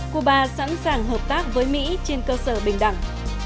cuba sẵn sàng hợp tác với mỹ trên cơ sở bình đẳng